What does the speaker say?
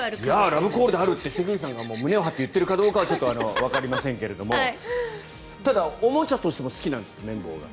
ラブコールもあるって胸を張って言っているかどうかはわかりませんがただ、おもちゃとしても好きなんですって、綿棒が。